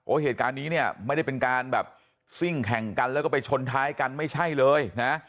โอ้ยเหตุการณ์นี้ไม่ได้เป็นการซิ่งแข่งกันแล้วก็ไปชนท้ายกันไม่ใช่เลย